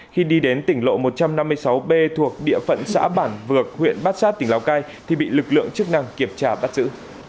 khi đi đến tỉnh lộ một trăm năm mươi sáu b thuộc địa phận xã bản vược huyện bát sát tỉnh lào cai thì bị lực lượng chức năng kiểm tra bắt giữ